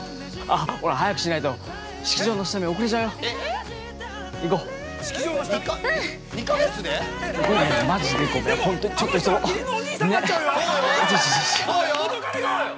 あっ、ほら、早くしないと式場の下見おくれちゃうよ。